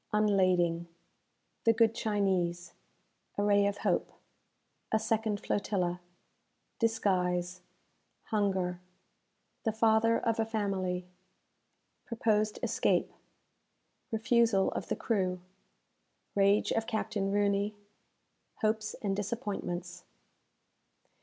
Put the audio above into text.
Unlading The Good Chinese A Ray of Hope A Second Flotilla Disguise Hunger The Father of a Family Proposed Escape Refusal of the Crew Rage of Captain Rooney Hopes and Disappointments.